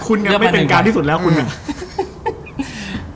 คุณกันไม่เป็นกลางที่สุดแล้วคุณกัน